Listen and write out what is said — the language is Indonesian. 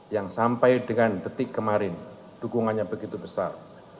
yang sampai dengan detik kemarin dukungannya begitu besar